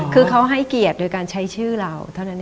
เค้าให้เกลียดโดยการใช้ชื่อเราเท่านั้นเอง